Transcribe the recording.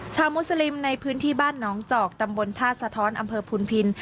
มุสลิมในพื้นที่บ้านน้องจอกตำบลท่าสะท้อนอำเภอพุนพิน